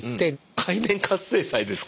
界面活性剤ですか。